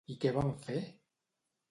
I què van fer?